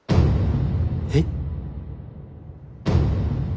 えっ？